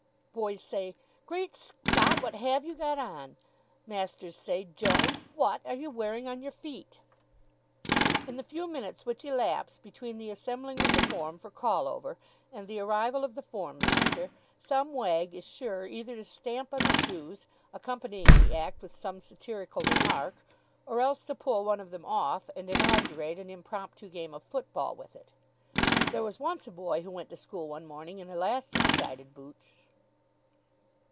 Boys say, "Great Scott, what have you got on?" Masters say, "Jones, what are you wearing on your feet?" In the few minutes which elapse between the assembling of the form for call over and the arrival of the form master, some wag is sure either to stamp on the shoes, accompanying the act with some satirical remark, or else to pull one of them off, and inaugurate an impromptu game of football with it. There was once a boy who went to school one morning in elastic sided boots....